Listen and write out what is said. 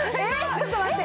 ちょっと待って！